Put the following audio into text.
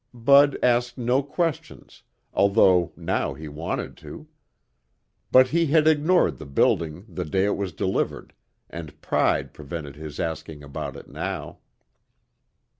Bud asked no questions although now he wanted to. But he had ignored the building the day it was delivered, and pride prevented his asking about it now.